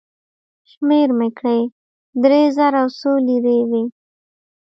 شمېر مې کړې، درې زره او څو لېرې وې.